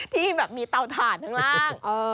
ที่แบบมีเตาถ่านข้างล่าง